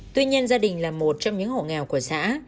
tuy nhiên gia đình là một trong những hộ nghèo của xã